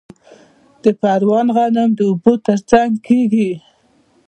د پروان غنم د اوبو ترڅنګ کیږي.